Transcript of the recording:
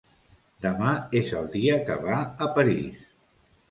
Demà és el dia que va a París.